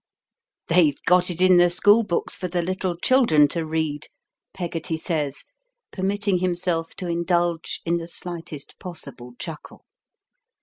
"They've got it in the school books for the little children to read," Peggotty says, permitting himself to indulge in the slightest possible chuckle.